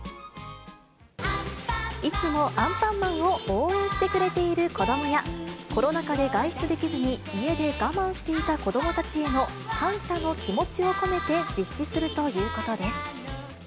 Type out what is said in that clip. いつもアンパンマンを応援してくれている子どもや、コロナ禍で外出できずに家で我慢していた子どもたちへの感謝の気持ちを込めて実施するということです。